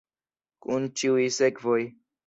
Kun ĉiuj sekvoj.